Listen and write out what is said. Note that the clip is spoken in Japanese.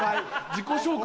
自己紹介